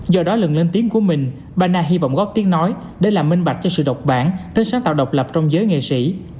do đó lần lên tiếng của mình bana hy vọng góp tiếng nói để làm minh bạch cho sự độc bản tính sáng tạo độc lập trong giới nghệ sĩ